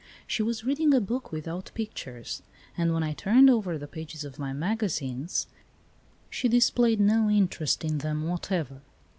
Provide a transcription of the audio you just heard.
She was reading a book without pictures, and when I turned over the pages of my magazines she displayed no interest in them whatever.